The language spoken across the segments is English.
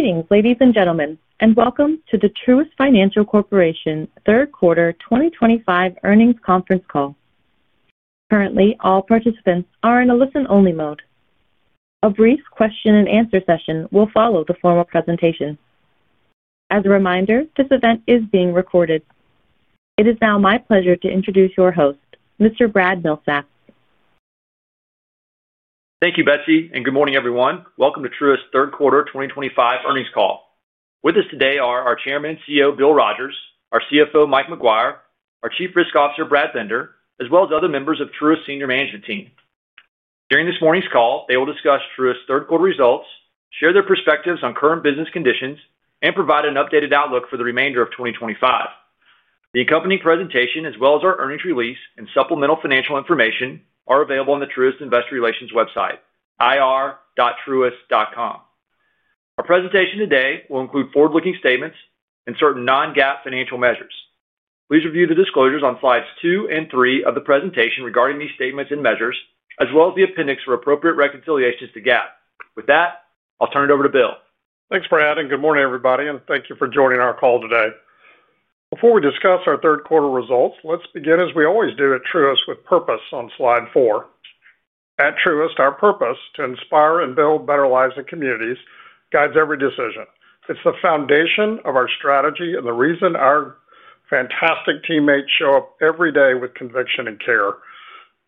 Greetings, ladies and gentlemen, and welcome to the Truist Financial Corporation third quarter 2025 earnings conference call. Currently, all participants are in a listen-only mode. A brief question and answer session will follow the formal presentation. As a reminder, this event is being recorded. It is now my pleasure to introduce your host, Mr. Brad Milsaps. Thank you, Betsy, and good morning, everyone. Welcome to Truist's third quarter 2025 earnings call. With us today are our Chairman and CEO, Bill Rogers, our CFO, Mike Maguire, our Chief Risk Officer, Brad Bender, as well as other members of Truist's Senior Management Team. During this morning's call, they will discuss Truist Financial Corporation's third quarter results, share their perspectives on current business conditions, and provide an updated outlook for the remainder of 2025. The accompanying presentation, as well as our earnings release and supplemental financial information, are available on the Truist Investor Relations website, ir.truist.com. Our presentation today will include forward-looking statements and certain non-GAAP financial measures. Please review the disclosures on slides two and three of the presentation regarding these statements and measures, as well as the appendix for appropriate reconciliations to GAAP. With that, I'll turn it over to Bill. Thanks, Brad, and good morning, everybody, and thank you for joining our call today. Before we discuss our third quarter results, let's begin, as we always do at Truist, with purpose on slide four. At Truist, our purpose to inspire and build better lives in communities guides every decision. It's the foundation of our strategy and the reason our fantastic teammates show up every day with conviction and care.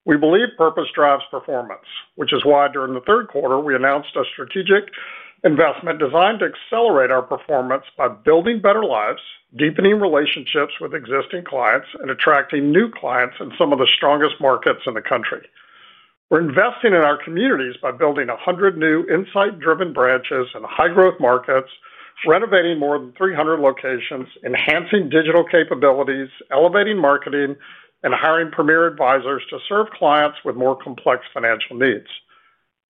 We believe purpose drives performance, which is why during the third quarter, we announced a strategic investment designed to accelerate our performance by building better lives, deepening relationships with existing clients, and attracting new clients in some of the strongest markets in the country. We're investing in our communities by building 100 new insight-driven branches in high-growth markets, renovating more than 300 locations, enhancing digital capabilities, elevating marketing, and hiring premier advisors to serve clients with more complex financial needs.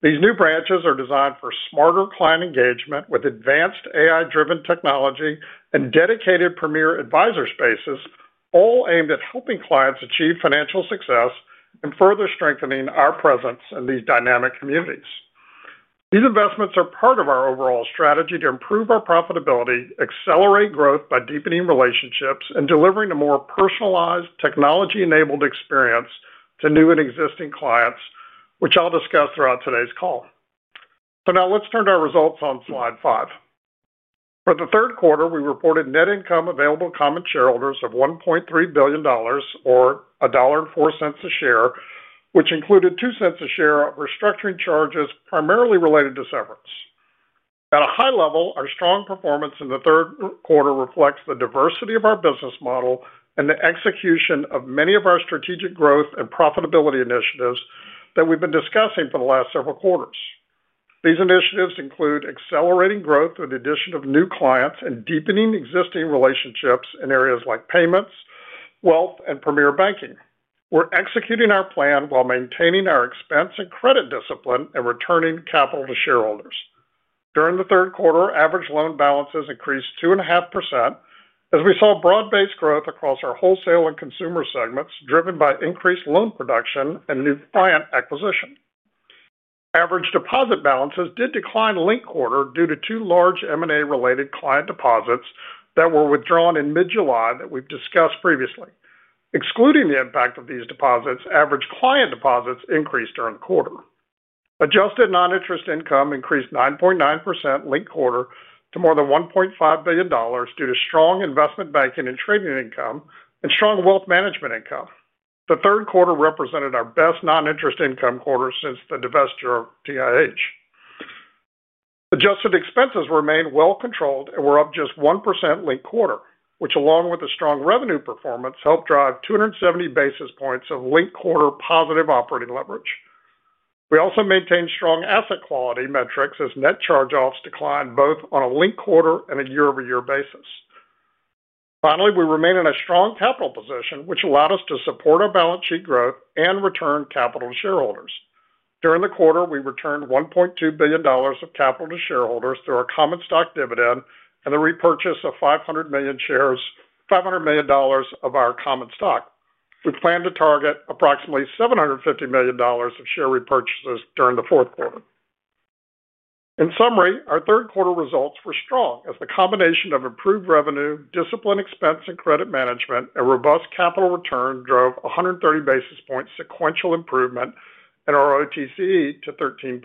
These new branches are designed for smarter client engagement with advanced AI-driven technology and dedicated premier advisor spaces, all aimed at helping clients achieve financial success and further strengthening our presence in these dynamic communities. These investments are part of our overall strategy to improve our profitability, accelerate growth by deepening relationships, and delivering a more personalized, technology-enabled experience to new and existing clients, which I'll discuss throughout today's call. Now let's turn to our results on slide five. For the third quarter, we reported net income available to common shareholders of $1.3 billion, or $1.04 a share, which included $0.02 a share of restructuring charges primarily related to severance. At a high level, our strong performance in the third quarter reflects the diversity of our business model and the execution of many of our strategic growth and profitability initiatives that we've been discussing for the last several quarters. These initiatives include accelerating growth through the addition of new clients and deepening existing relationships in areas like payments, wealth, and premier banking. We're executing our plan while maintaining our expense and credit discipline and returning capital to shareholders. During the third quarter, average loan balances increased 2.5%, as we saw broad-based growth across our wholesale and consumer segments, driven by increased loan production and new client acquisition. Average deposit balances did decline late quarter due to two large M&A-related client deposits that were withdrawn in mid-July that we've discussed previously. Excluding the impact of these deposits, average client deposits increased during the quarter. Adjusted non-interest income increased 9.9% late quarter to more than $1.5 billion due to strong investment banking and trading income and strong wealth management income. The third quarter represented our best non-interest income quarter since the divestiture of TIH. Adjusted expenses remain well controlled and were up just 1% late quarter, which, along with a strong revenue performance, helped drive 270 basis points of late quarter positive operating leverage. We also maintained strong asset quality metrics as net charge-offs declined both on a late quarter and a year-over-year basis. Finally, we remain in a strong capital position, which allowed us to support our balance sheet growth and return capital to shareholders. During the quarter, we returned $1.2 billion of capital to shareholders through our common stock dividend and the repurchase of $500 million of our common stock. We plan to target approximately $750 million of share repurchases during the fourth quarter. In summary, our third quarter results were strong as the combination of improved revenue, discipline expense and credit management, and robust capital return drove 130 basis points sequential improvement in our ROTCE to 13.6%.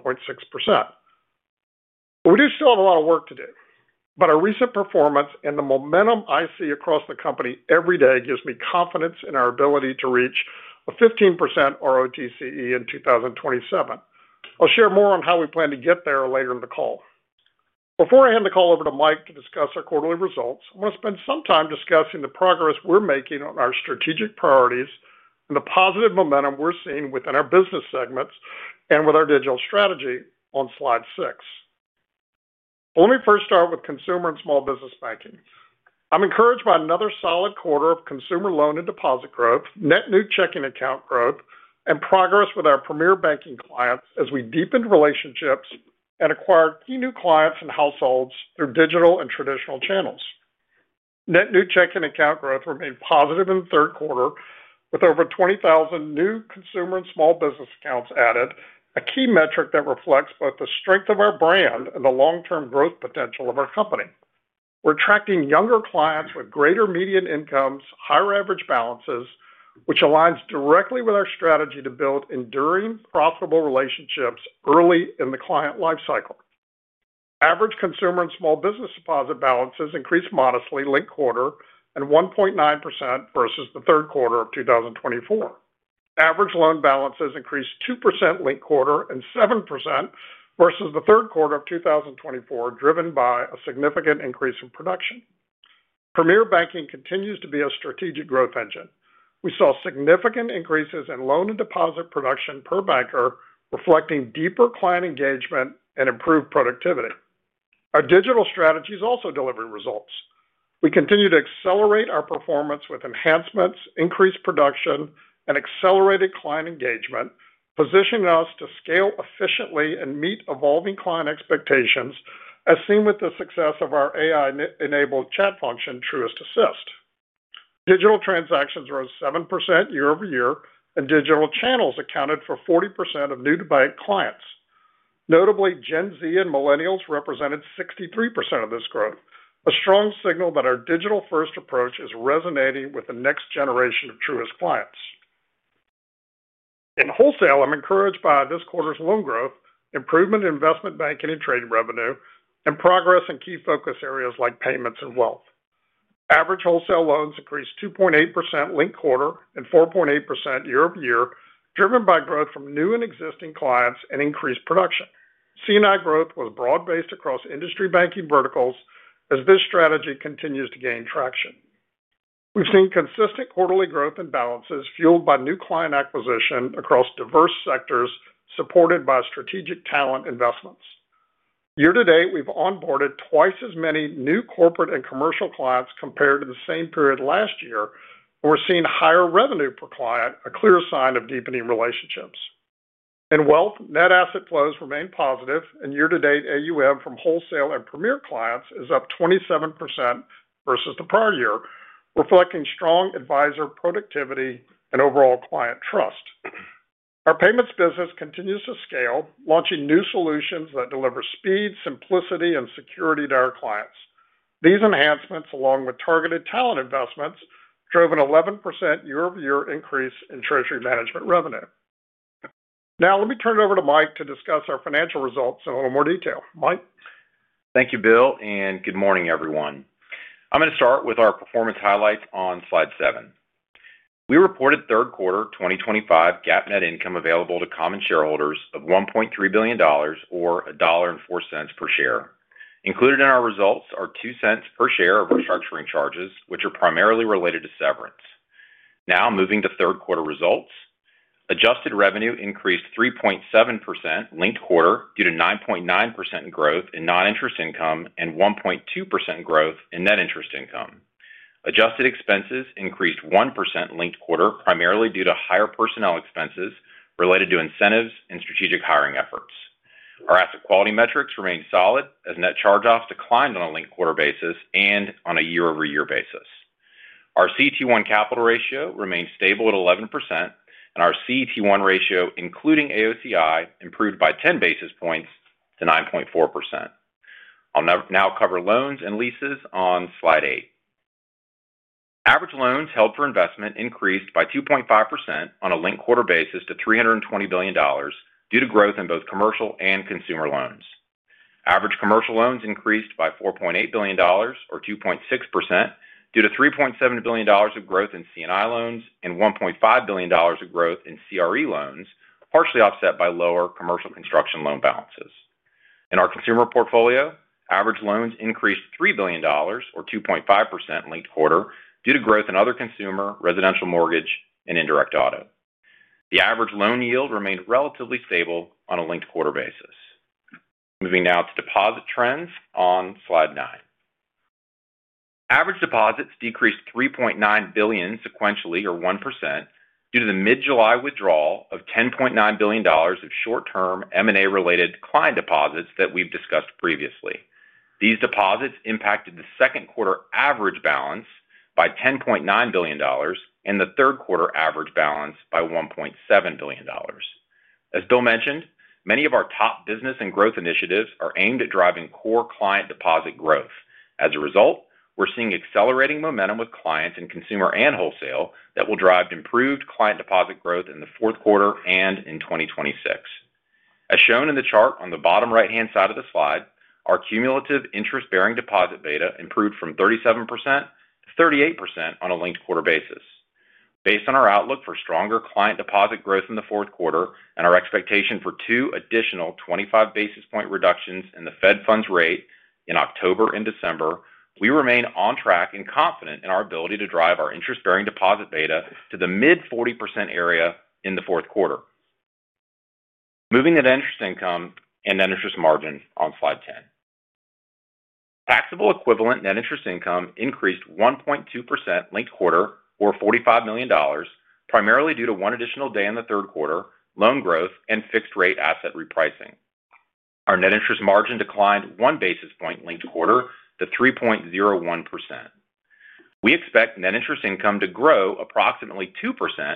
We do still have a lot of work to do. Our recent performance and the momentum I see across the company every day give me confidence in our ability to reach a 15% ROTCE in 2027. I'll share more on how we plan to get there later in the call. Before I hand the call over to Mike to discuss our quarterly results, I want to spend some time discussing the progress we're making on our strategic priorities and the positive momentum we're seeing within our business segments and with our digital strategy on slide six. Let me first start with consumer and small business banking. I'm encouraged by another solid quarter of consumer loan and deposit growth, net new checking account growth, and progress with our premier banking clients as we deepened relationships and acquired key new clients and households through digital and traditional channels. Net new checking account growth remained positive in the third quarter, with over 20,000 new consumer and small business accounts added, a key metric that reflects both the strength of our brand and the long-term growth potential of our company. We're attracting younger clients with greater median incomes and higher average balances, which aligns directly with our strategy to build enduring, profitable relationships early in the client lifecycle. Average consumer and small business deposit balances increased modestly late quarter and 1.9% versus the third quarter of 2024. Average loan balances increased 2% late quarter and 7% versus the third quarter of 2024, driven by a significant increase in production. Premier banking continues to be a strategic growth engine. We saw significant increases in loan and deposit production per banker, reflecting deeper client engagement and improved productivity. Our digital strategies also deliver results. We continue to accelerate our performance with enhancements, increased production, and accelerated client engagement, positioning us to scale efficiently and meet evolving client expectations, as seen with the success of our AI-enabled chat function, Truist Assist. Digital transactions rose 7% year-over-year, and digital channels accounted for 40% of new to bank clients. Notably, Gen Z and Millennials represented 63% of this growth, a strong signal that our digital-first approach is resonating with the next generation of Truist clients. In wholesale, I'm encouraged by this quarter's loan growth, improvement in investment banking and trade revenue, and progress in key focus areas like payments and wealth. Average wholesale loans increased 2.8% late quarter and 4.8% year-over-year, driven by growth from new and existing clients and increased production. Seeing that growth was broad-based across industry banking verticals, as this strategy continues to gain traction. We've seen consistent quarterly growth in balances, fueled by new client acquisition across diverse sectors, supported by strategic talent investments. Year to date, we've onboarded twice as many new corporate and commercial clients compared to the same period last year, and we're seeing higher revenue per client, a clear sign of deepening relationships. In wealth, net asset flows remain positive, and year-to-date AUM from wholesale and premier clients is up 27% versus the prior year, reflecting strong advisor productivity and overall client trust. Our payments business continues to scale, launching new solutions that deliver speed, simplicity, and security to our clients. These enhancements, along with targeted talent investments, drove an 11% year-over-year increase in treasury management revenue. Now, let me turn it over to Mike to discuss our financial results in a little more detail. Mike. Thank you, Bill, and good morning, everyone. I'm going to start with our performance highlights on slide seven. We reported third quarter 2025 GAAP net income available to common shareholders of $1.3 billion, or $1.04 per share. Included in our results are $0.02 per share of restructuring charges, which are primarily related to severance. Now, moving to third quarter results, adjusted revenue increased 3.7% late quarter due to 9.9% growth in non-interest income and 1.2% growth in net interest income. Adjusted expenses increased 1% late quarter, primarily due to higher personnel expenses related to incentives and strategic hiring efforts. Our asset quality metrics remain solid as net charge-offs declined on a late quarter basis and on a year-over-year basis. Our CET1 capital ratio remains stable at 11%, and our CET1 ratio, including AOCI, improved by 10 basis points to 9.4%. I'll now cover loans and leases on slide eight. Average loans held for investment increased by 2.5% on a late quarter basis to $320 billion due to growth in both commercial and consumer loans. Average commercial loans increased by $4.8 billion, or 2.6%, due to $3.7 billion of growth in CNI loans and $1.5 billion of growth in CRE loans, partially offset by lower commercial construction loan balances. In our consumer portfolio, average loans increased $3 billion, or 2.5% late quarter, due to growth in other consumer, residential mortgage, and indirect auto. The average loan yield remained relatively stable on a late quarter basis. Moving now to deposit trends on slide nine. Average deposits decreased $3.9 billion sequentially, or 1%, due to the mid-July withdrawal of $10.9 billion of short-term M&A-related client deposits that we've discussed previously. These deposits impacted the second quarter average balance by $10.9 billion and the third quarter average balance by $1.7 billion. As Bill mentioned, many of our top business and growth initiatives are aimed at driving core client deposit growth. As a result, we're seeing accelerating momentum with clients in consumer and wholesale that will drive improved client deposit growth in the fourth quarter and in 2026. As shown in the chart on the bottom right-hand side of the slide, our cumulative interest-bearing deposit beta improved from 37%-38% on a late quarter basis. Based on our outlook for stronger client deposit growth in the fourth quarter and our expectation for two additional 25 basis point reductions in the Fed funds rate in October and December, we remain on track and confident in our ability to drive our interest-bearing deposit beta to the mid-40% area in the fourth quarter. Moving to net interest income and net interest margin on slide 10, taxable equivalent net interest income increased 1.2% late quarter, or $45 million, primarily due to one additional day in the third quarter, loan growth, and fixed-rate asset repricing. Our net interest margin declined one basis point late quarter to 3.01%. We expect net interest income to grow approximately 2%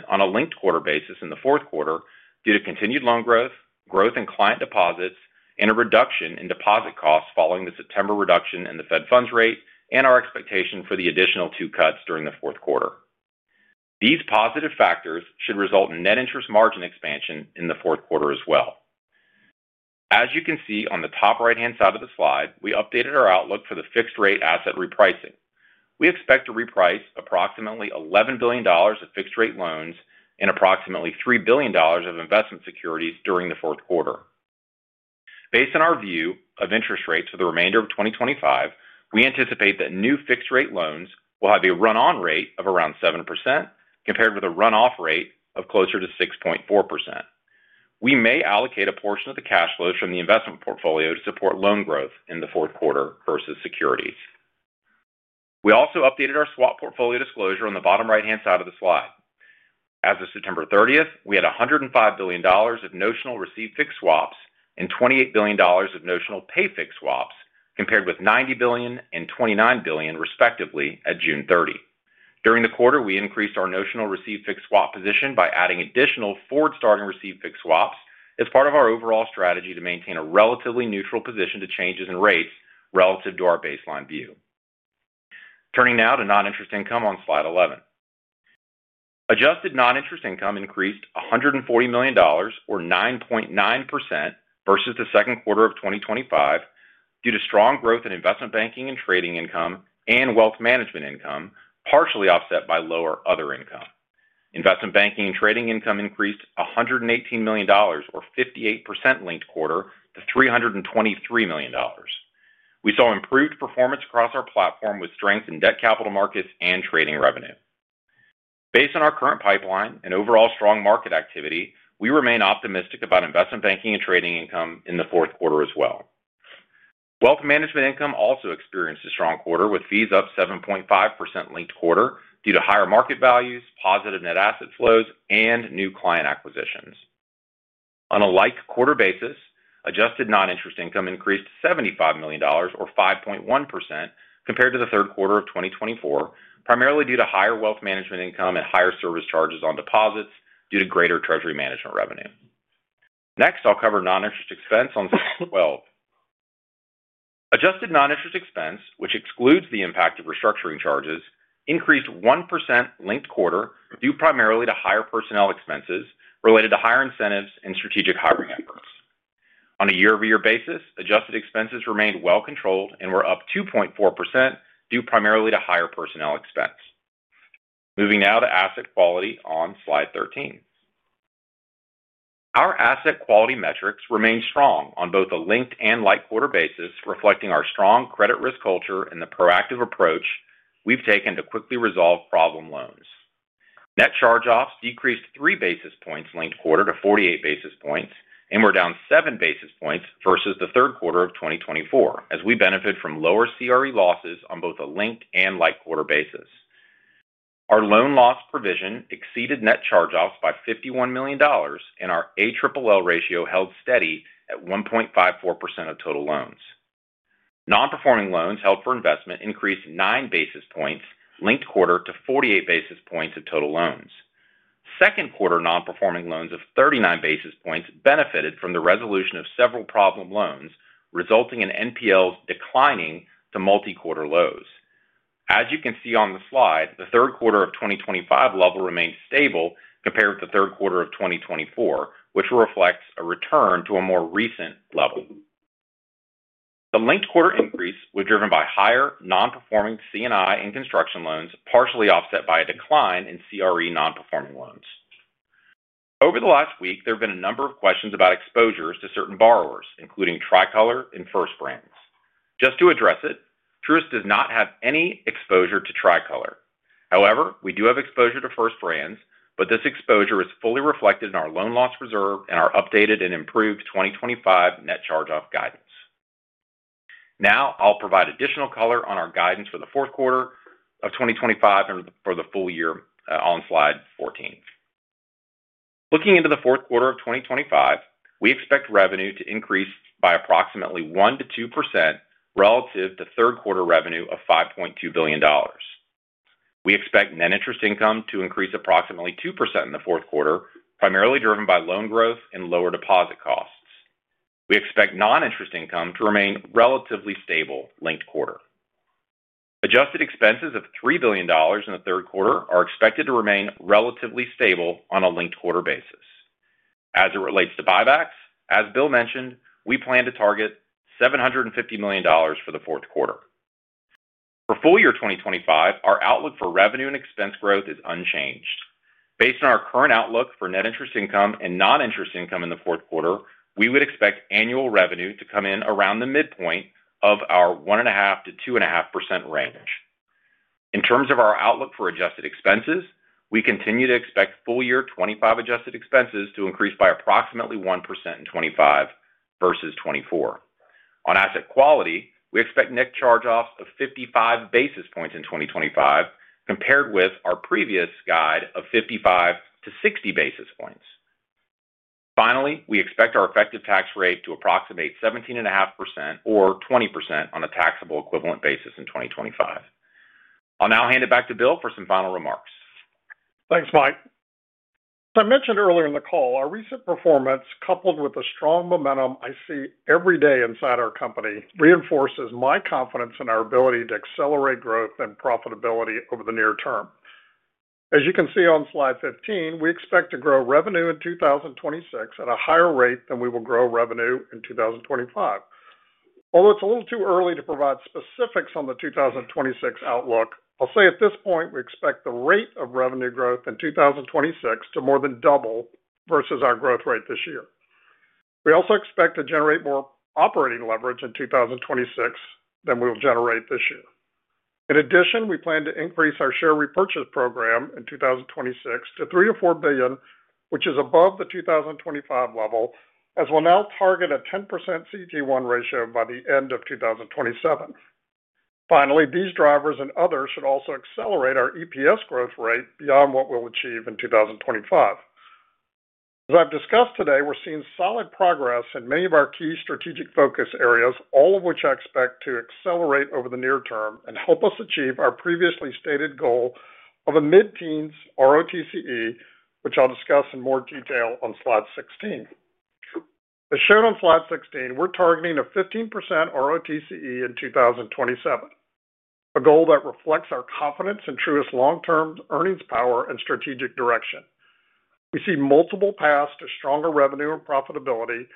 on a late quarter basis in the fourth quarter due to continued loan growth, growth in client deposits, and a reduction in deposit costs following the September reduction in the Fed funds rate and our expectation for the additional two cuts during the fourth quarter. These positive factors should result in net interest margin expansion in the fourth quarter as well. As you can see on the top right-hand side of the slide, we updated our outlook for the fixed-rate asset repricing. We expect to reprice approximately $11 billion of fixed-rate loans and approximately $3 billion of investment securities during the fourth quarter. Based on our view of interest rates for the remainder of 2025, we anticipate that new fixed-rate loans will have a run-on rate of around 7% compared with a run-off rate of closer to 6.4%. We may allocate a portion of the cash flows from the investment portfolio to support loan growth in the fourth quarter versus securities. We also updated our swap portfolio disclosure on the bottom right-hand side of the slide. As of September 30th, we had $105 billion of notional received fixed swaps and $28 billion of notional paid fixed swaps compared with $90 billion and $29 billion, respectively, at June 30. During the quarter, we increased our notional received fixed swap position by adding additional forward starting received fixed swaps as part of our overall strategy to maintain a relatively neutral position to changes in rates relative to our baseline view. Turning now to non-interest income on slide 11, adjusted non-interest income increased $140 million, or 9.9% versus the second quarter of 2025, due to strong growth in investment banking and trading income and wealth management income, partially offset by lower other income. Investment banking and trading income increased $118 million, or 58% late quarter, to $323 million. We saw improved performance across our platform with strength in debt capital markets and trading revenue. Based on our current pipeline and overall strong market activity, we remain optimistic about investment banking and trading income in the fourth quarter as well. Wealth management income also experienced a strong quarter, with fees up 7.5% late quarter due to higher market values, positive net asset flows, and new client acquisitions. On a like quarter basis, adjusted non-interest income increased $75 million, or 5.1% compared to the third quarter of 2024, primarily due to higher wealth management income and higher service charges on deposits due to greater treasury management revenue. Next, I'll cover non-interest expense on slide 12. Adjusted non-interest expense, which excludes the impact of restructuring charges, increased 1% late quarter, due primarily to higher personnel expenses related to higher incentives and strategic hiring efforts. On a year-over-year basis, adjusted expenses remained well controlled and were up 2.4% due primarily to higher personnel expense. Moving now to asset quality on slide 13. Our asset quality metrics remain strong on both a late and like quarter basis, reflecting our strong credit risk culture and the proactive approach we've taken to quickly resolve problem loans. Net charge-offs decreased three basis points late quarter to 48 basis points, and were down seven basis points versus the third quarter of 2024, as we benefit from lower CRE losses on both a late and like quarter basis. Our loan loss provision exceeded net charge-offs by $51 million, and our ALLL ratio held steady at 1.54% of total loans. Non-performing loans held for investment increased nine basis points late quarter to 48 basis points of total loans. Second quarter non-performing loans of 39 basis points benefited from the resolution of several problem loans, resulting in NPLs declining to multi-quarter lows. As you can see on the slide, the third quarter of 2025 level remains stable compared with the third quarter of 2024, which reflects a return to a more recent level. The late quarter increase was driven by higher non-performing CNI and construction loans, partially offset by a decline in CRE non-performing loans. Over the last week, there have been a number of questions about exposures to certain borrowers, including Tricolor and First Brands. Just to address it, Truist does not have any exposure to Tricolor. However, we do have exposure to First Brands, but this exposure is fully reflected in our loan loss reserve and our updated and improved 2025 net charge-off guidance. Now, I'll provide additional color on our guidance for the fourth quarter of 2025 and for the full year on slide 14. Looking into the fourth quarter of 2025, we expect revenue to increase by approximately 1%-2% relative to third quarter revenue of $5.2 billion. We expect net interest income to increase approximately 2% in the fourth quarter, primarily driven by loan growth and lower deposit costs. We expect non-interest income to remain relatively stable late quarter. Adjusted expenses of $3 billion in the third quarter are expected to remain relatively stable on a late quarter basis. As it relates to buybacks, as Bill mentioned, we plan to target $750 million for the fourth quarter. For full year 2025, our outlook for revenue and expense growth is unchanged. Based on our current outlook for net interest income and non-interest income in the fourth quarter, we would expect annual revenue to come in around the midpoint of our 1.5%-2.5% range. In terms of our outlook for adjusted expenses, we continue to expect full year 2025 adjusted expenses to increase by approximately 1% in 2025 versus 2024. On asset quality, we expect net charge-offs of 55 basis points in 2025, compared with our previous guide of 55-60 basis points. Finally, we expect our effective tax rate to approximate 17.5% or 20% on a taxable equivalent basis in 2025. I'll now hand it back to Bill for some final remarks. Thanks, Mike. As I mentioned earlier in the call, our recent performance, coupled with the strong momentum I see every day inside our company, reinforces my confidence in our ability to accelerate growth and profitability over the near term. As you can see on slide 15, we expect to grow revenue in 2026 at a higher rate than we will grow revenue in 2025. Although it's a little too early to provide specifics on the 2026 outlook, I'll say at this point we expect the rate of revenue growth in 2026 to more than double versus our growth rate this year. We also expect to generate more operating leverage in 2026 than we will generate this year. In addition, we plan to increase our share repurchase program in 2026 to $3 billion-$4 billion, which is above the 2025 level, as we'll now target a 10% CET1 ratio by the end of 2027. Finally, these drivers and others should also accelerate our EPS growth rate beyond what we'll achieve in 2025. As I've discussed today, we're seeing solid progress in many of our key strategic focus areas, all of which I expect to accelerate over the near term and help us achieve our previously stated goal of a mid-teens ROTCE, which I'll discuss in more detail on slide 16. As shown on slide 16, we're targeting a 15% ROTCE in 2027, a goal that reflects our confidence in Truist's long-term earnings power and strategic direction. We see multiple paths to stronger revenue and profitability.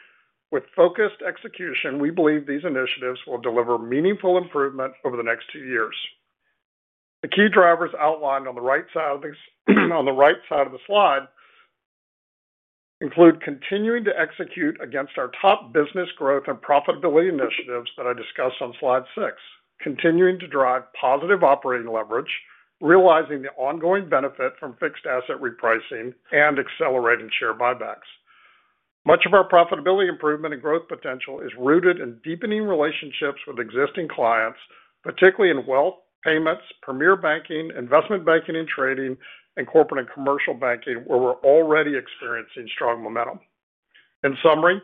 With focused execution, we believe these initiatives will deliver meaningful improvement over the next two years. The key drivers outlined on the right side of the slide include continuing to execute against our top business growth and profitability initiatives that I discussed on slide six, continuing to drive positive operating leverage, realizing the ongoing benefit from fixed-rate asset repricing and accelerating share buybacks. Much of our profitability improvement and growth potential is rooted in deepening relationships with existing clients, particularly in wealth management, payments, premier banking, investment banking and trading, and corporate and commercial banking, where we're already experiencing strong momentum. In summary,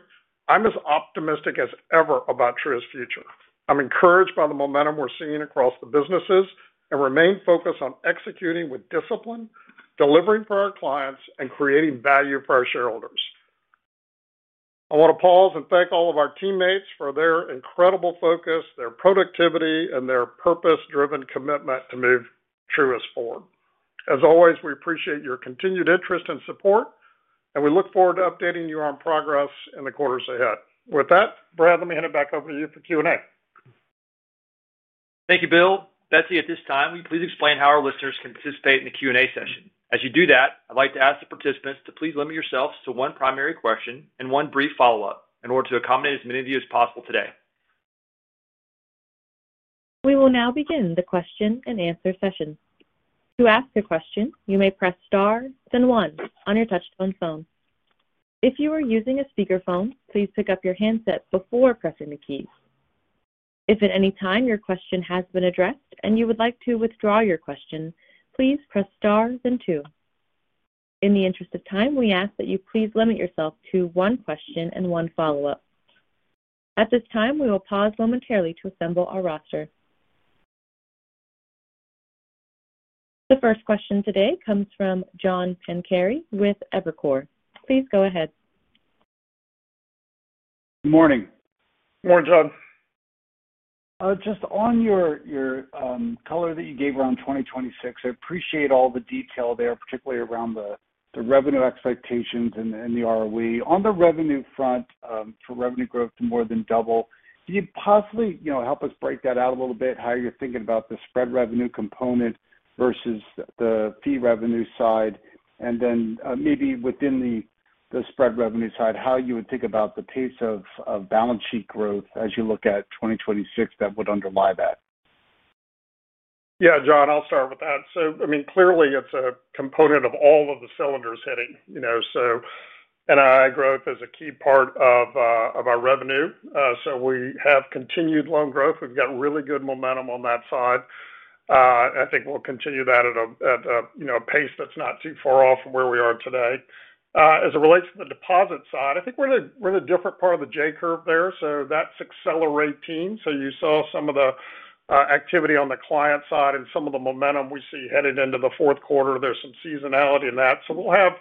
I'm as optimistic as ever about Truist Financial Corporation's future. I'm encouraged by the momentum we're seeing across the businesses and remain focused on executing with discipline, delivering for our clients, and creating value for our shareholders. I want to pause and thank all of our teammates for their incredible focus, their productivity, and their purpose-driven commitment to move Truist forward. As always, we appreciate your continued interest and support, and we look forward to updating you on progress in the quarters ahead. With that, Brad, let me hand it back over to you for Q&A. Thank you, Bill. Betsy, at this time, will you please explain how our listeners can participate in the Q&A session? As you do that, I'd like to ask the participants to please limit yourselves to one primary question and one brief follow-up in order to accommodate as many of you as possible today. We will now begin the question and answer session. To ask a question, you may press star, then one on your touch-tone phone. If you are using a speakerphone, please pick up your handset before pressing the keys. If at any time your question has been addressed and you would like to withdraw your question, please press star, then two. In the interest of time, we ask that you please limit yourself to one question and one follow-up. At this time, we will pause momentarily to assemble our roster. The first question today comes from John Pancari with Evercore. Please go ahead. Good morning. Morning, John. Just on your color that you gave around 2026, I appreciate all the detail there, particularly around the revenue expectations and the ROE. On the revenue front, for revenue growth to more than double, can you possibly help us break that out a little bit? How are you thinking about the spread revenue component versus the fee revenue side? Maybe within the spread revenue side, how you would think about the pace of balance sheet growth as you look at 2026 that would underlie that? Yeah, John, I'll start with that. Clearly it's a component of all of the cylinders hitting, you know, so NII growth is a key part of our revenue. We have continued loan growth. We've got really good momentum on that side. I think we'll continue that at a pace that's not too far off from where we are today. As it relates to the deposit side, I think we're in a different part of the J curve there. That's accelerating. You saw some of the activity on the client side and some of the momentum we see headed into the fourth quarter. There's some seasonality in that. We'll have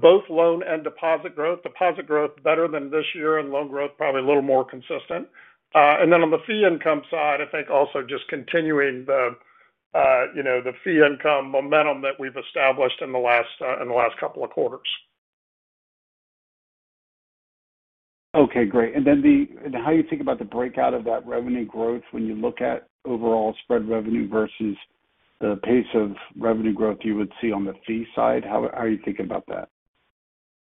both loan and deposit growth. Deposit growth better than this year and loan growth probably a little more consistent. On the fee income side, I think also just continuing the fee income momentum that we've established in the last couple of quarters. Okay, great. How do you think about the breakout of that revenue growth when you look at overall spread revenue versus the pace of revenue growth you would see on the fee side? How are you thinking about that?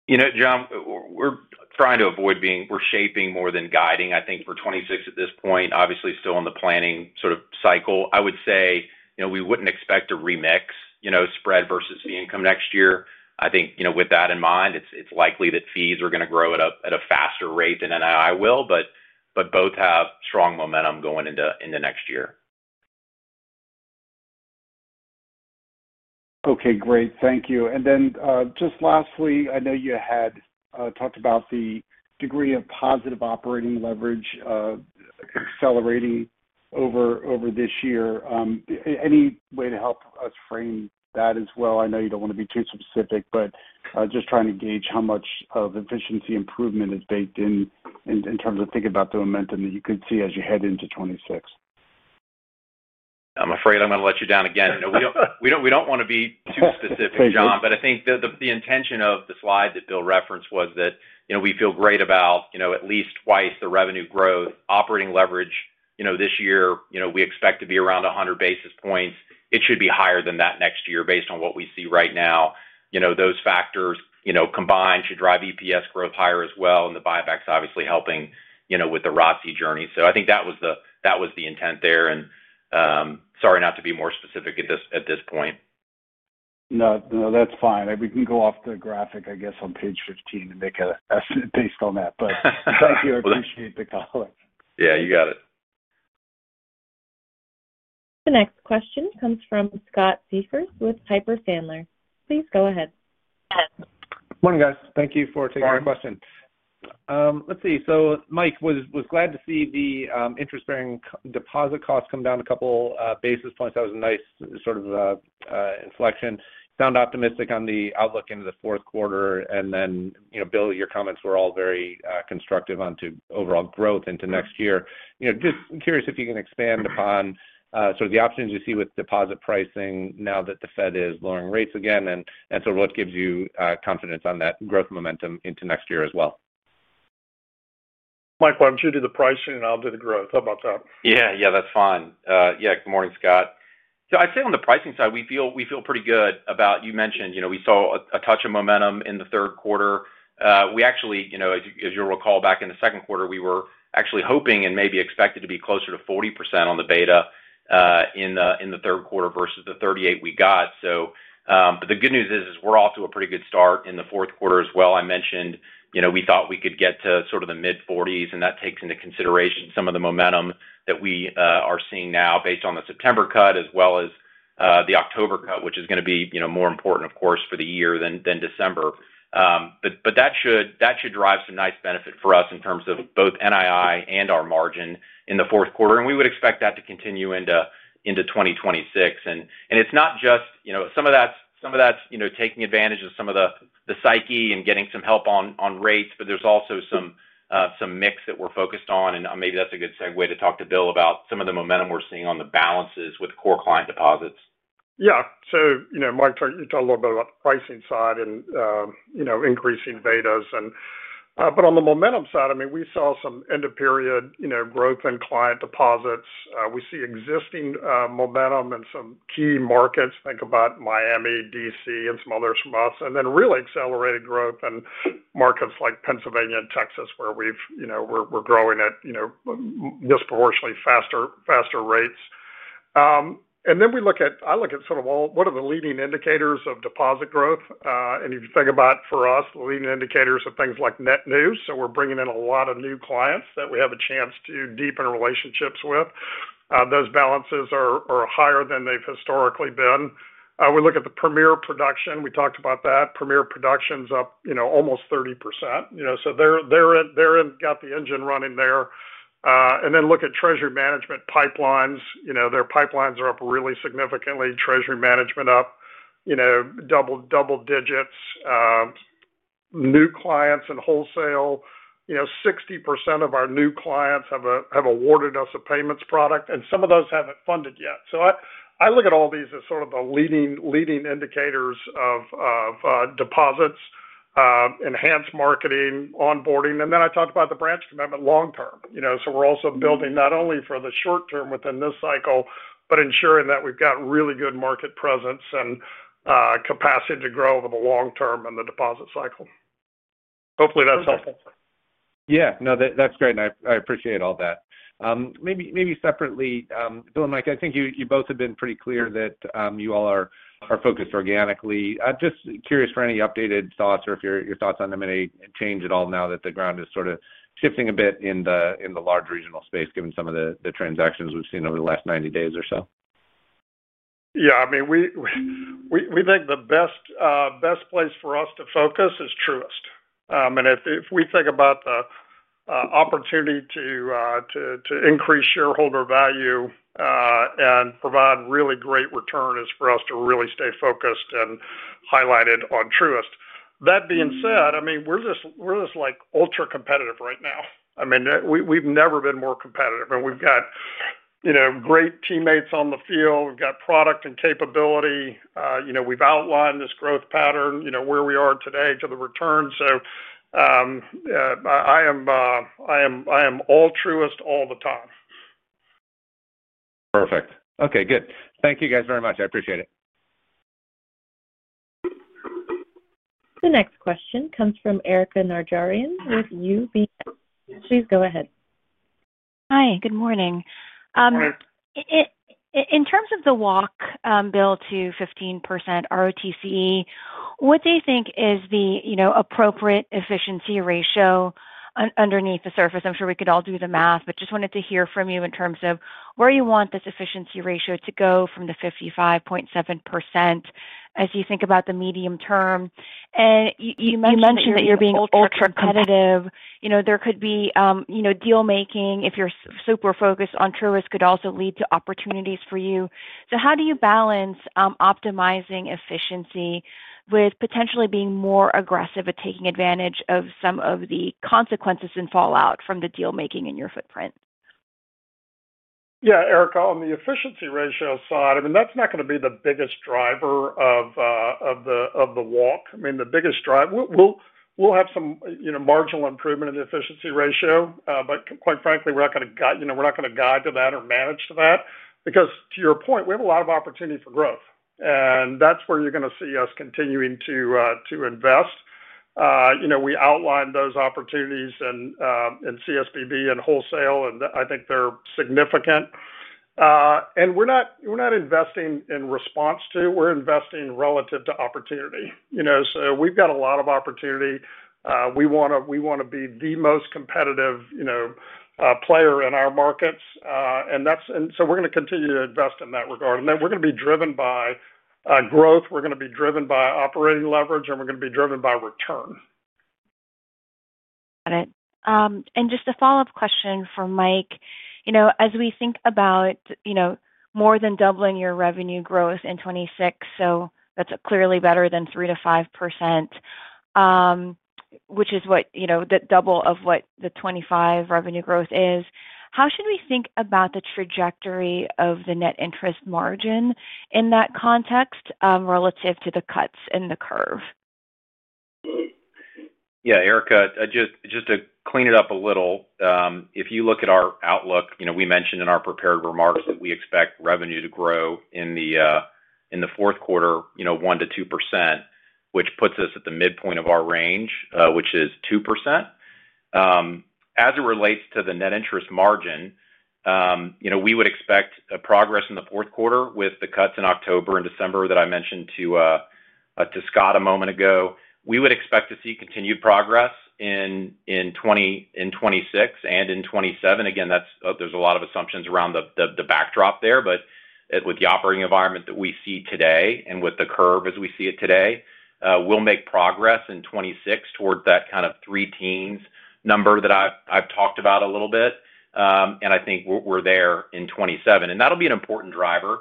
You know, John, we're trying to avoid being, we're shaping more than guiding. I think for 2026 at this point, obviously still in the planning sort of cycle, I would say we wouldn't expect a remix, you know, spread versus fee income next year. I think, with that in mind, it's likely that fees are going to grow at a faster rate than NII will, but both have strong momentum going into next year. Okay, great. Thank you. Lastly, I know you had talked about the degree of positive operating leverage accelerating over this year. Any way to help us frame that as well? I know you don't want to be too specific, but just trying to gauge how much of efficiency improvement is baked in in terms of thinking about the momentum that you could see as you head into 2026. I'm afraid I'm going to let you down again. We don't want to be too specific, John, but I think the intention of the slide that Bill referenced was that we feel great about at least twice the revenue growth operating leverage this year. We expect to be around 100 basis points. It should be higher than that next year based on what we see right now. Those factors combined should drive EPS growth higher as well, and the buybacks obviously helping with the ROTCE journey. I think that was the intent there. Sorry not to be more specific at this point. No, that's fine. We can go off the graphic, I guess, on page 15 and make an estimate based on that. Thank you. I appreciate the color. Yeah, you got it. The next question comes from Scott Siefers with Piper Sandler. Please go ahead. Morning, guys. Thank you for taking my question. Mike, I was glad to see the interest-bearing deposit costs come down a couple basis points. That was a nice sort of inflection. You sound optimistic on the outlook into the fourth quarter. Bill, your comments were all very constructive on overall growth into next year. I'm just curious if you can expand upon the options you see with deposit pricing now that the Fed is lowering rates again and what gives you confidence on that growth momentum into next year as well. Mike, I'm sure you do the pricing and I'll do the growth. How about that? Yeah, that's fine. Good morning, Scott. On the pricing side, we feel pretty good about, you mentioned, we saw a touch of momentum in the third quarter. We actually, as you'll recall, back in the second quarter, we were actually hoping and maybe expected to be closer to 40% on the beta in the third quarter versus the 38% we got. The good news is we're off to a pretty good start in the fourth quarter as well. I mentioned we thought we could get to sort of the mid-40%, and that takes into consideration some of the momentum that we are seeing now based on the September cut as well as the October cut, which is going to be more important, of course, for the year than December. That should drive some nice benefit for us in terms of both NII and our margin in the fourth quarter. We would expect that to continue into 2026. It's not just, some of that's taking advantage of some of the psyche and getting some help on rates, but there's also some mix that we're focused on. Maybe that's a good segue to talk to Bill about some of the momentum we're seeing on the balances with core client deposits. Yeah. Mike, you talked a little bit about the pricing side and increasing betas. On the momentum side, we saw some end-of-period growth in client deposits. We see existing momentum in some key markets. Think about Miami, DC, and some others from us. Really accelerated growth in markets like Pennsylvania and Texas, where we're growing at disproportionately faster rates. I look at sort of all the leading indicators of deposit growth. If you think about for us, the leading indicators are things like net news. We're bringing in a lot of new clients that we have a chance to deepen relationships with. Those balances are higher than they've historically been. We look at the premier production. We talked about that. Premier production's up almost 30%. They're in, got the engine running there. Then look at treasury management pipelines. Their pipelines are up really significantly. Treasury management up double digits. New clients and wholesale, 60% of our new clients have awarded us a payments product. Some of those haven't funded yet. I look at all these as the leading indicators of deposits, enhanced marketing, onboarding. I talked about the branch commitment long term. We're also building not only for the short term within this cycle, but ensuring that we've got really good market presence and capacity to grow over the long term in the deposit cycle. Hopefully, that's helpful. Yeah, no, that's great. I appreciate all that. Maybe separately, Bill and Mike, I think you both have been pretty clear that you all are focused organically. Just curious for any updated thoughts or if your thoughts on them may change at all now that the ground is sort of shifting a bit in the large regional space, given some of the transactions we've seen over the last 90 days or so. Yeah, I mean, we think the best place for us to focus is Truist. If we think about the opportunity to increase shareholder value and provide really great return, it is for us to really stay focused and highlighted on Truist. That being said, we're just like ultra competitive right now. I mean, we've never been more competitive. We've got, you know, great teammates on the field. We've got product and capability. We've outlined this growth pattern, you know, where we are today to the return. I am all Truist all the time. Perfect. Okay, good. Thank you guys very much. I appreciate it. The next question comes from Erika Najarian with UBS. Please go ahead. Hi, good morning. In terms of the walk, Bill, to 15% ROTCE, what do you think is the, you know, appropriate efficiency ratio underneath the surface? I'm sure we could all do the math, but just wanted to hear from you in terms of where you want this efficiency ratio to go from the 55.7% as you think about the medium term. You mentioned that you're being ultra competitive. There could be, you know, deal making if you're super focused on Truist could also lead to opportunities for you. How do you balance optimizing efficiency with potentially being more aggressive at taking advantage of some of the consequences and fallout from the deal making in your footprint? Yeah, Erika, on the efficiency ratio side, that's not going to be the biggest driver of the walk. The biggest driver, we'll have some marginal improvement in the efficiency ratio, but quite frankly, we're not going to guide to that or manage to that because to your point, we have a lot of opportunity for growth. That's where you're going to see us continuing to invest. We outlined those opportunities in CSBB and wholesale, and I think they're significant. We're not investing in response to, we're investing relative to opportunity. We've got a lot of opportunity. We want to be the most competitive player in our markets. That's, and we're going to continue to invest in that regard. We're going to be driven by growth. We're going to be driven by operating leverage, and we're going to be driven by return. Got it. Just a follow-up question for Mike. As we think about more than doubling your revenue growth in 2026, that's clearly better than 3%-5%, which is the double of what the 2025 revenue growth is. How should we think about the trajectory of the net interest margin in that context relative to the cuts in the curve? Yeah, Erika, just to clean it up a little, if you look at our outlook, you know, we mentioned in our prepared remarks that we expect revenue to grow in the fourth quarter, you know, 1%-2%, which puts us at the midpoint of our range, which is 2%. As it relates to the net interest margin, you know, we would expect progress in the fourth quarter with the cuts in October and December that I mentioned to Scott a moment ago. We would expect to see continued progress in 2026 and in 2027. Again, there's a lot of assumptions around the backdrop there, but with the operating environment that we see today and with the curve as we see it today, we'll make progress in 2026 towards that kind of three-teens number that I've talked about a little bit. I think we're there in 2027. That'll be an important driver,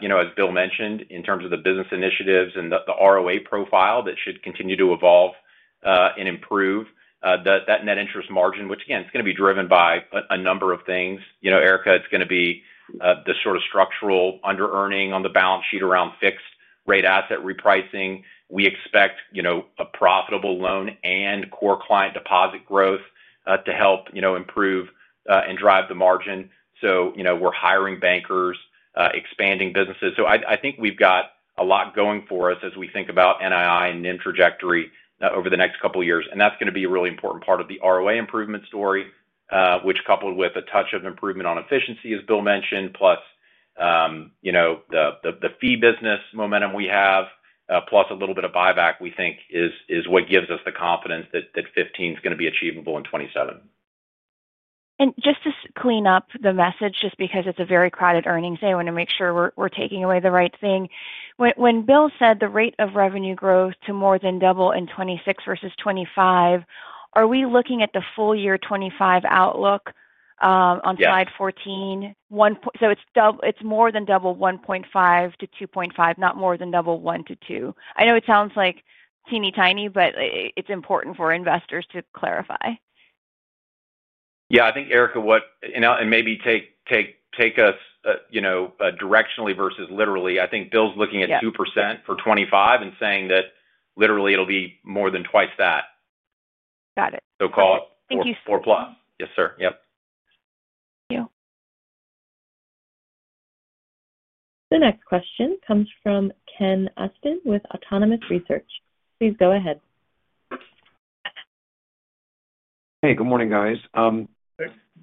you know, as Bill mentioned, in terms of the business initiatives and the ROA profile that should continue to evolve and improve that net interest margin, which again, it's going to be driven by a number of things. You know, Erika, it's going to be the sort of structural under-earning on the balance sheet around fixed-rate asset repricing. We expect, you know, a profitable loan and core client deposit growth to help, you know, improve and drive the margin. We're hiring bankers, expanding businesses. I think we've got a lot going for us as we think about NII and NIM trajectory over the next couple of years. That's going to be a really important part of the ROA improvement story, which coupled with a touch of improvement on efficiency, as Bill mentioned, plus, you know, the fee business momentum we have, plus a little bit of buyback, we think is what gives us the confidence that 15% is going to be achievable in 2027. To clean up the message, just because it's a very crowded earnings day, I want to make sure we're taking away the right thing. When Bill said the rate of revenue growth to more than double in 2026 versus 2025, are we looking at the full year 2025 outlook on slide 14? It's more than double 1.5%-2.5%, not more than double 1%-2%. I know it sounds like teeny tiny, but it's important for investors to clarify. Yeah, I think Erika, what and maybe take us directionally versus literally. I think Bill's looking at 2% for 2025 and saying that literally it'll be more than twice that. Got it. Call it 4%+. Yes, sir. Yep. Thank you. The next question comes from Ken Usdin with Autonomous Research. Please go ahead. Hey, good morning, guys. I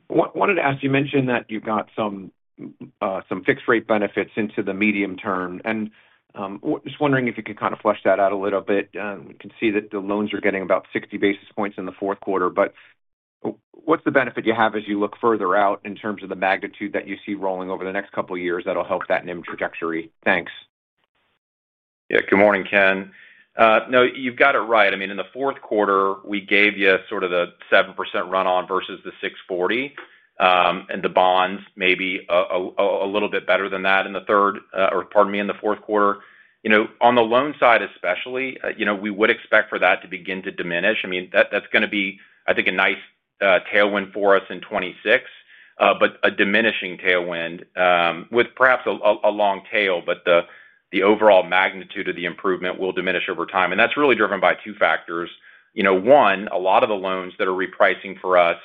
wanted to ask, you mentioned that you've got some fixed-rate benefits into the medium term. I'm just wondering if you could kind of flesh that out a little bit. We can see that the loans are getting about 60 basis points in the fourth quarter, but what's the benefit you have as you look further out in terms of the magnitude that you see rolling over the next couple of years that'll help that NIM trajectory? Thanks. Yeah, good morning, Ken. No, you've got it right. In the fourth quarter, we gave you sort of the 7% run-on versus the 6.40%. The bonds may be a little bit better than that in the fourth quarter. On the loan side especially, we would expect for that to begin to diminish. That is going to be, I think, a nice tailwind for us in 2026, but a diminishing tailwind with perhaps a long tail, though the overall magnitude of the improvement will diminish over time. That is really driven by two factors. One, a lot of the loans that are repricing for us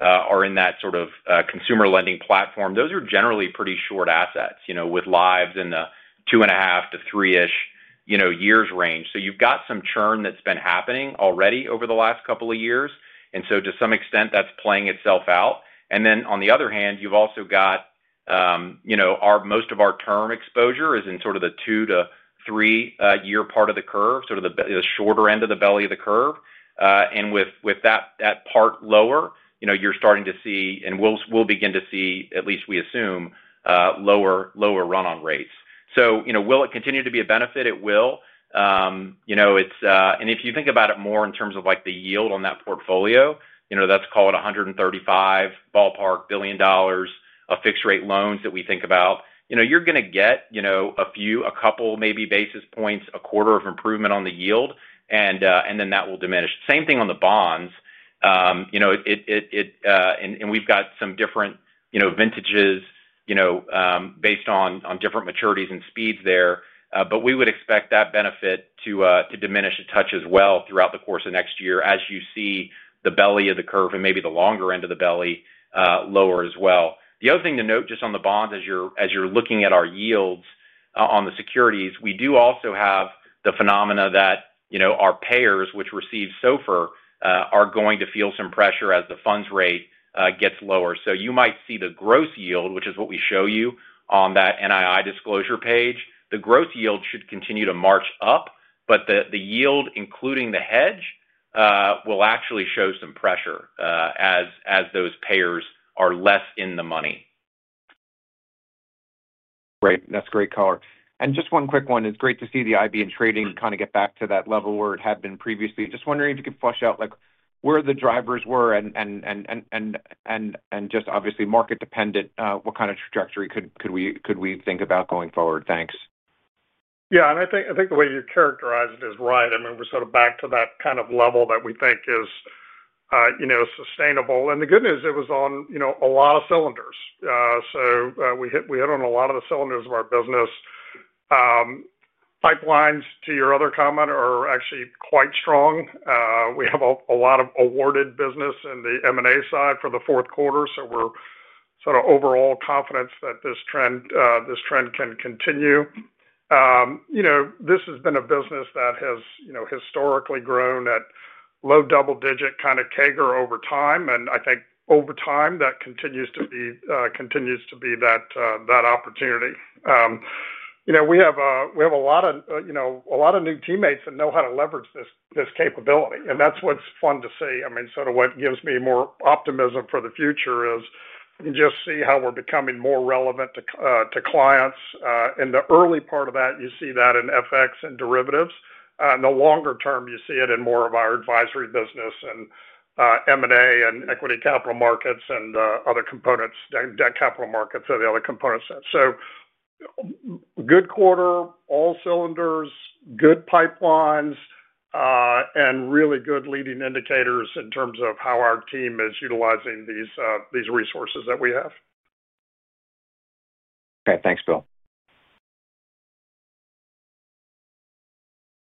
are in that sort of consumer lending platform. Those are generally pretty short assets, with lives in the two and a half to three-ish years range. You have got some churn that has been happening already over the last couple of years, and to some extent, that is playing itself out. On the other hand, most of our term exposure is in sort of the two to three-year part of the curve, the shorter end of the belly of the curve. With that part lower, you are starting to see, and we will begin to see, at least we assume, lower run-on rates. Will it continue to be a benefit? It will. If you think about it more in terms of the yield on that portfolio, let's call it $135 billion ballpark of fixed-rate loans that we think about. You are going to get a few, a couple, maybe basis points a quarter of improvement on the yield, and then that will diminish. Same thing on the bonds. We have got some different vintages based on different maturities and speeds there, but we would expect that benefit to diminish a touch as well throughout the course of next year as you see the belly of the curve and maybe the longer end of the belly lower as well. The other thing to note just on the bonds as you are looking at our yields on the securities, we do also have the phenomena that our payers, which receive SOFR, are going to feel some pressure as the funds rate gets lower. You might see the gross yield, which is what we show you on that NII disclosure page. The gross yield should continue to march up, but the yield, including the hedge, will actually show some pressure as those payers are less in the money. Great. That's great color. Just one quick one. It's great to see the IB and trading kind of get back to that level where it had been previously. Just wondering if you could flesh out where the drivers were and obviously market dependent, what kind of trajectory could we think about going forward? Thanks. Yeah, and I think the way you characterize it is right. I mean, we're sort of back to that kind of level that we think is sustainable. The good news, it was on a lot of cylinders. We hit on a lot of the cylinders of our business. Pipelines, to your other comment, are actually quite strong. We have a lot of awarded business in the M&A side for the fourth quarter. We're overall confident that this trend can continue. This has been a business that has historically grown at low double-digit kind of CAGR over time. I think over time that continues to be that opportunity. We have a lot of new teammates that know how to leverage this capability, and that's what's fun to see. What gives me more optimism for the future is you can just see how we're becoming more relevant to clients. In the early part of that, you see that in FX and derivatives. In the longer term, you see it in more of our advisory business and M&A and equity capital markets and other components, debt capital markets or the other components. Good quarter, all cylinders, good pipelines, and really good leading indicators in terms of how our team is utilizing these resources that we have. Okay, thanks, Bill.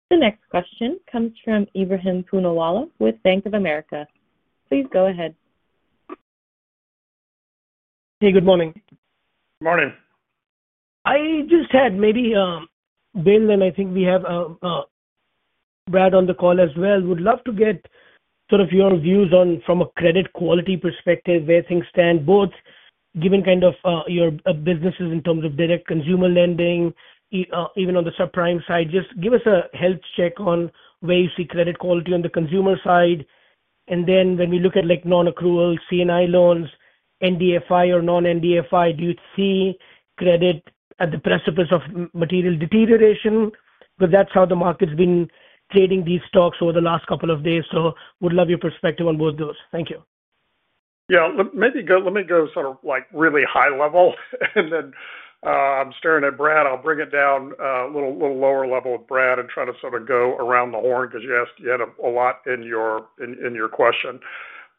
The next question comes from Ibrahim Poonawala with Bank of America. Please go ahead. Hey, good morning. Morning. I just had maybe Bill, and I think we have Brad on the call as well. We'd love to get sort of your views on, from a credit quality perspective, where things stand, both given kind of your businesses in terms of direct consumer lending, even on the subprime side. Just give us a health check on where you see credit quality on the consumer side. When we look at non-accrual C&I loans, NDFI or non-NDFI, do you see credit at the precipice of material deterioration? That's how the market's been trading these stocks over the last couple of days. We'd love your perspective on both those. Thank you. Yeah, let me go sort of really high level. I'm staring at Brad. I'll bring it down a little lower level with Brad and try to go around the horn because you asked a lot in your question.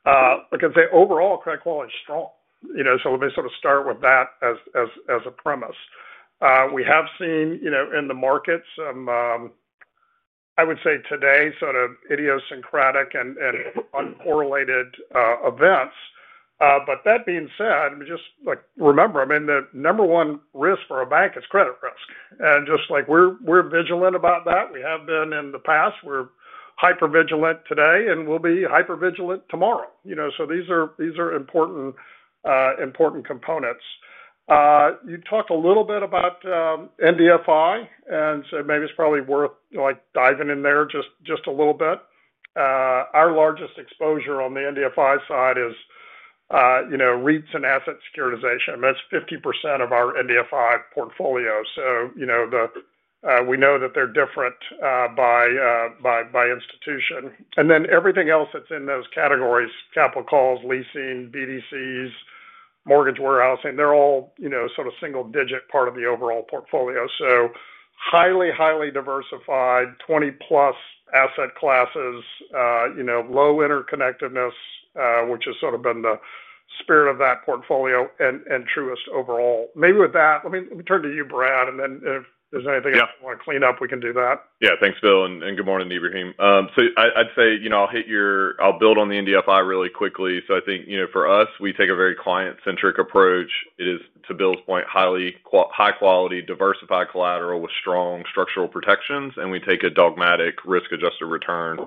I can say overall credit quality is strong. Let me start with that as a premise. We have seen in the market some, I would say today, idiosyncratic and uncorrelated events. That being said, just remember, the number one risk for a bank is credit risk. Just like we're vigilant about that, we have been in the past, we're hyper-vigilant today and we'll be hyper-vigilant tomorrow. These are important components. You talked a little bit about NDFI and said maybe it's probably worth diving in there just a little bit. Our largest exposure on the NDFI side is REITs and asset securitization. That's 50% of our NDFI portfolio. We know that they're different by institution. Everything else that's in those categories, capital calls, leasing, BDCs, mortgage warehousing, they're all single-digit part of the overall portfolio. Highly, highly diversified, 20+ asset classes, low interconnectedness, which has been the spirit of that portfolio and Truist overall. Maybe with that, let me turn to you, Brad. If there's anything else you want to clean up, we can do that. Yeah, thanks, Bill. Good morning, Ibrahim. I'd say, you know, I'll build on the NDFI really quickly. For us, we take a very client-centric approach. It is, to Bill's point, highly high-quality diversified collateral with strong structural protections. We take a dogmatic risk-adjusted return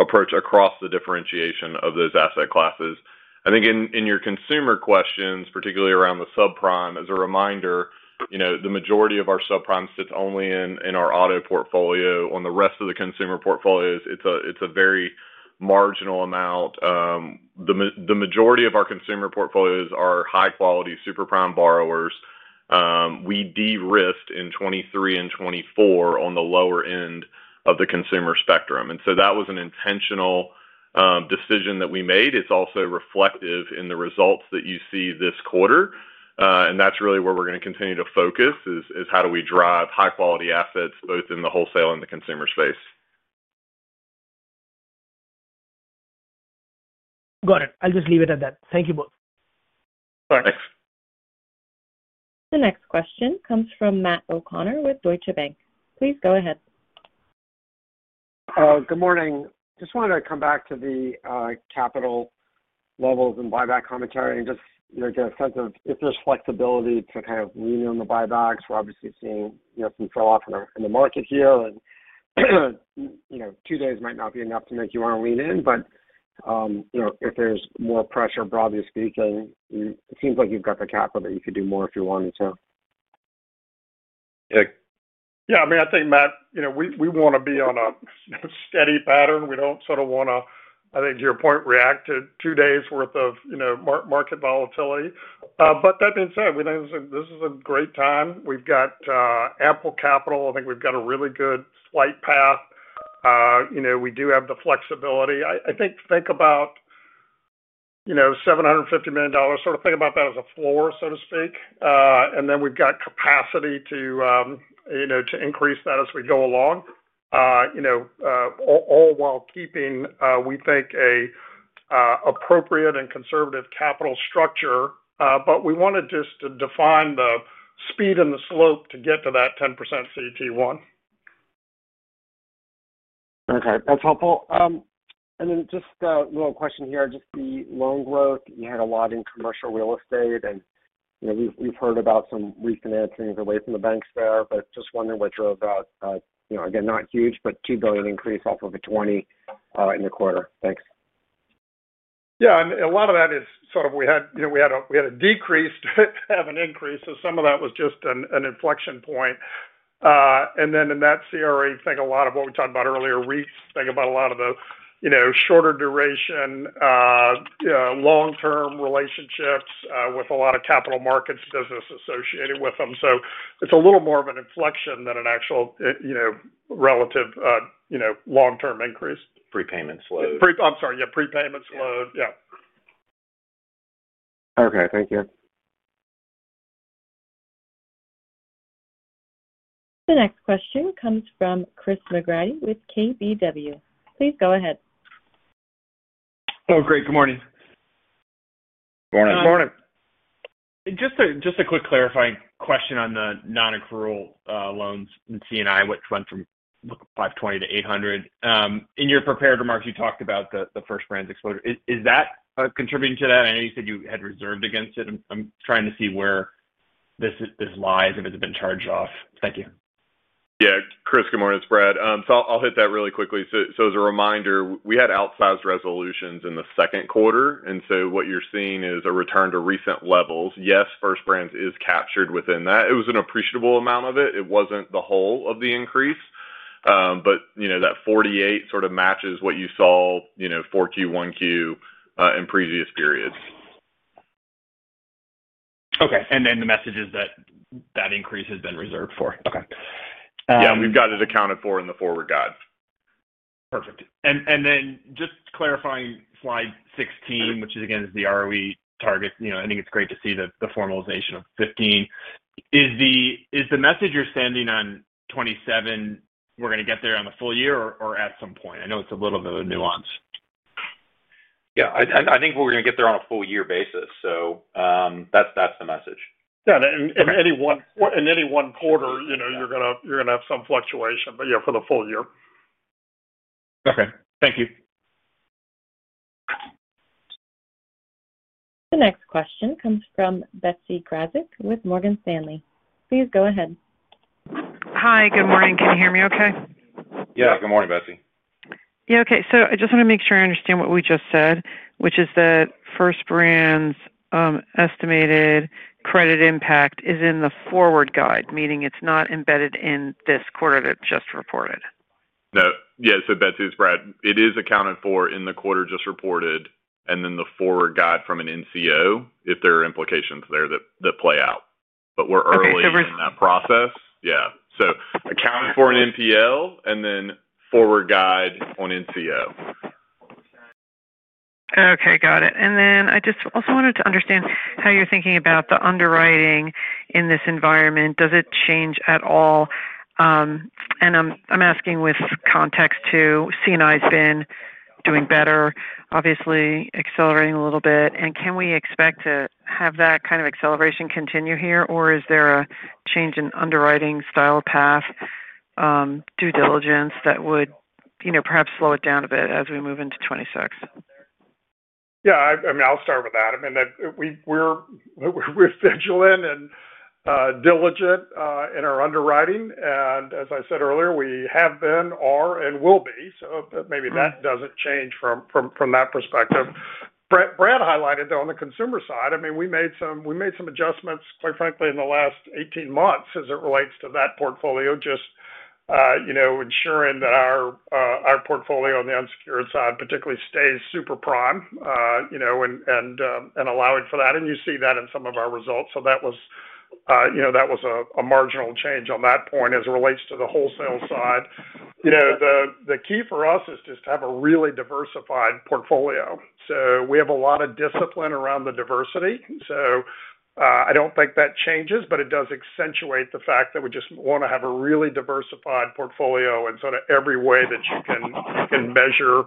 approach across the differentiation of those asset classes. I think in your consumer questions, particularly around the subprime, as a reminder, the majority of our subprime sits only in our auto portfolio. On the rest of the consumer portfolios, it's a very marginal amount. The majority of our consumer portfolios are high-quality superprime borrowers. We de-risked in 2023 and 2024 on the lower end of the consumer spectrum. That was an intentional decision that we made. It's also reflective in the results that you see this quarter. That's really where we're going to continue to focus, is how do we drive high-quality assets both in the wholesale and the consumer space. Got it. I'll just leave it at that. Thank you both. Thanks. Thanks. The next question comes from Matt O'Connor with Deutsche Bank. Please go ahead. Good morning. I just wanted to come back to the capital levels and buyback commentary and get a sense of if there's flexibility to kind of lean in the buybacks. We're obviously seeing some sell-off in the market here. Two days might not be enough to make you want to lean in, but if there's more pressure, broadly speaking, it seems like you've got the capital that you could do more if you wanted to. Yeah, I mean, I think, Matt, you know, we want to be on a steady pattern. We don't sort of want to, I think, to your point, react to two days' worth of market volatility. That being said, we think this is a great time. We've got ample capital. I think we've got a really good flight path. You know, we do have the flexibility. I think about, you know, $750 million, sort of think about that as a floor, so to speak, and then we've got capacity to increase that as we go along, all while keeping, we think, an appropriate and conservative capital structure. We wanted just to define the speed and the slope to get to that 10% CET1. Okay, that's helpful. Just a little question here, just the loan growth. You had a lot in commercial real estate. We've heard about some refinancing away from the banks there. Just wondering what drove that. Again, not huge, but $2 billion increase off of a $20 billion in the quarter. Thanks. Yeah, a lot of that is sort of we had a decrease to have an increase. Some of that was just an inflection point. In that CRA, think a lot of what we talked about earlier, REITs, think about a lot of the shorter duration, long-term relationships with a lot of capital markets business associated with them. It's a little more of an inflection than an actual relative long-term increase. Prepayments load. I'm sorry, yeah, prepayments load, yeah. Okay, thank you. The next question comes from Chris McGratty with KBW. Please go ahead. Oh, great. Good morning. Morning. Good morning. Just a quick clarifying question on the non-accrual loans and CNI, which went from $520 million-$800 million. In your prepared remarks, you talked about the First Brands exposure. Is that contributing to that? I know you said you had reserved against it. I'm trying to see where this lies and if it's been charged off. Thank you. Yeah, Chris, good morning. It's Brad. I'll hit that really quickly. As a reminder, we had outsized resolutions in the second quarter, and what you're seeing is a return to recent levels. Yes, First Brands is captured within that. It was an appreciable amount of it. It wasn't the whole of the increase, but that $48 million sort of matches what you saw in 4Q, 1Q, and previous periods. Okay. The message is that that increase has been reserved for. Yeah, we've got it accounted for in the forward guide. Perfect. Just clarifying slide 16, which is again the ROE target. I think it's great to see the formalization of 15%. Is the message you're sending on 2027, we're going to get there on the full year or at some point? I know it's a little bit of a nuance. Yeah, I think we're going to get there on a full year basis. That's the message. Yeah, in any one quarter, you're going to have some fluctuation, but yeah, for the full year. Okay, thank you. The next question comes from Betsy Graseck with Morgan Stanley. Please go ahead. Hi, good morning. Can you hear me okay? Good morning, Betsy. Yeah, okay. I just want to make sure I understand what we just said, which is that First Brands' estimated credit impact is in the forward guide, meaning it's not embedded in this quarter that just reported. Yes, so Betsy, it's Brad. It is accounted for in the quarter just reported, and then the forward guide from an NCO, if there are implications there that play out. We're early in that process. Okay, we're. Yeah, so accounted for in non-performing loans and then forward guide on net charge-offs. Okay, got it. I just also wanted to understand how you're thinking about the underwriting in this environment. Does it change at all? I'm asking with context to C&I's been doing better, obviously accelerating a little bit. Can we expect to have that kind of acceleration continue here, or is there a change in underwriting style, path, due diligence that would, you know, perhaps slow it down a bit as we move into 2026? Yeah, I mean, I'll start with that. We're vigilant and diligent in our underwriting. As I said earlier, we have been, are, and will be. Maybe that doesn't change from that perspective. Brad highlighted on the consumer side, we made some adjustments, quite frankly, in the last 18 months as it relates to that portfolio, just ensuring that our portfolio on the unsecured side particularly stays superprime and allowing for that. You see that in some of our results. That was a marginal change on that point as it relates to the wholesale side. The key for us is just to have a really diversified portfolio. We have a lot of discipline around the diversity. I don't think that changes, but it does accentuate the fact that we just want to have a really diversified portfolio in sort of every way that you can measure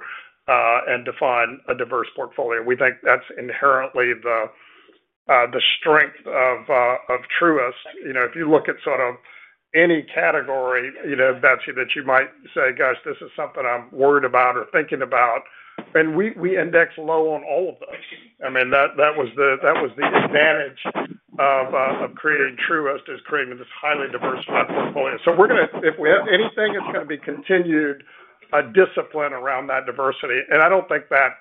and define a diverse portfolio. We think that's inherently the strength of Truist. If you look at sort of any category, Betsy, that you might say, "Gosh, this is something I'm worried about or thinking about." We index low on all of those. That was the advantage of creating Truist, creating this highly diversified portfolio. If we have anything, it's going to be continued discipline around that diversity. I don't think that